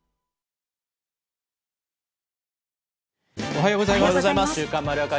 おはようございます。